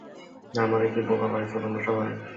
আমারে কি বোকা পাইছো তোমরা সবাই?